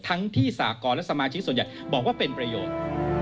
ทั้งที่สากรและสมาชิกส่วนใหญ่บอกว่าเป็นประโยชน์